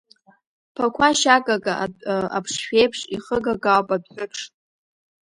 Ԥақәашь агага аԥшшәеиԥш ихыгагаауп адәҳәыԥш.